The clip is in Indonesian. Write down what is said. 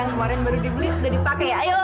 kemarin baru dibeli udah dipake ya ayo